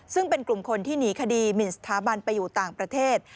ซึ่งเป็นกลุ่มคนที่หนีคดีหมินสถาบันไปอยู่ต่างประเทศ